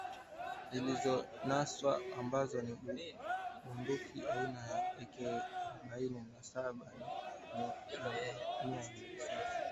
zilizonaswa ambazo ni bunduki aina ya AK arobaini na saba na mamia ya risasi